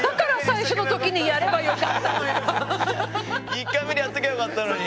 １回目でやっときゃよかったのに。